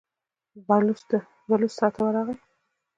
بلوڅ څا ته ورغی.